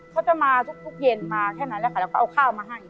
เขาจะมาทุกเย็นมาแค่นั้นแหละค่ะแล้วก็เอาข้าวมาให้